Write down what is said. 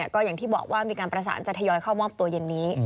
ก็อย่างที่บอกว่ามีการประสานจะทยอยเข้ามอบตัวเย็นนี้